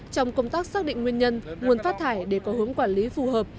trong công tác xác định nguyên nhân nguồn phát thải để có hướng quản lý phù hợp